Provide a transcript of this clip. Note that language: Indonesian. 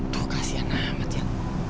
tuh kasihan amat ya